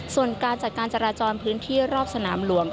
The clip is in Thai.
ส่วนการจัดการจราจรพื้นที่รอบสนามหลวง